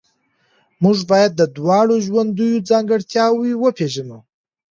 موږ باید د دواړو ژوندونو ځانګړتیاوې وپېژنو.